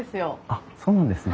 あっそうなんですね。